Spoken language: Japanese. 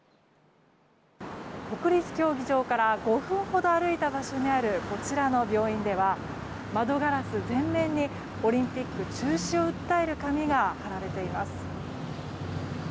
国立競技場から５分ほど歩いた場所にあるこちらの病院では窓ガラス全面にオリンピック中止を訴える紙が貼られています。